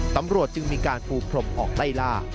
ตำรวจจึงมีการปูพรมออกไล่ล่า